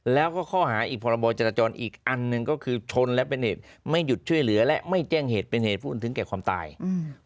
แล้วก็ข้อหาอีกพรบจรจรอีกอันหนึ่งก็คือชนและเป็นเหตุไม่หยุดช่วยเหลือและไม่แจ้งเหตุเป็นเหตุผู้อื่นถึงแก่ความตายอืม